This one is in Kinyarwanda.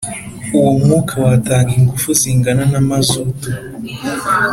uwo mwuka watanga ingufu zingana na mazutu.